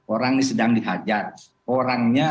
orang ini sedang dihajar orangnya